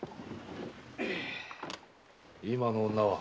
今の女は？